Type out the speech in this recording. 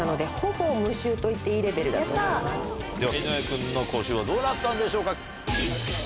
では井上君の口臭はどうなったんでしょうか？